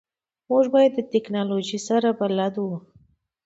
موږ باید د تکنالوژی سره بلد وو